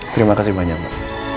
terima kasih banyak pak